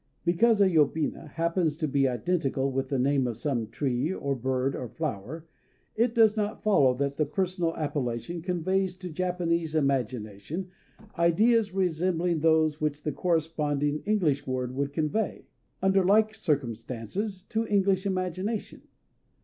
Because a yobina happens to be identical with the name of some tree, or bird, or flower, it does not follow that the personal appellation conveys to Japanese imagination ideas resembling those which the corresponding English word would convey, under like circumstances, to English imagination.